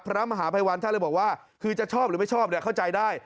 พระมหาภัยวันท่านเลยบอกว่าคือจะชอบหรือไม่ชอบเนี่ยเข้าใจได้